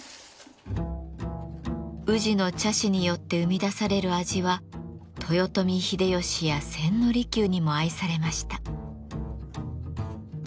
宇治の茶師によって生み出される味は豊臣秀吉や千利休にも愛されました。